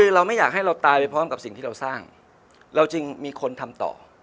คือเราไม่อยากให้เราตายไปพร้อมกับสิ่งที่เราสร้างเราจึงมีคนทำต่อ